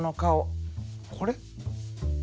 これ？